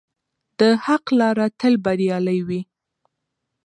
د حق لاره تل بریالۍ وي.